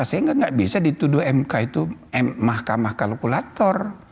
sehingga tidak bisa dituduh mk itu mahkamah kalkulator